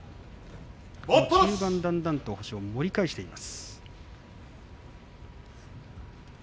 中盤、だんだんと星を盛り返しています。